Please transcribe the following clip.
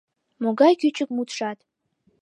Могай кӱчык мутшат.